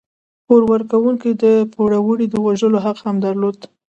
پور ورکوونکو د پوروړي د وژلو حق هم درلود.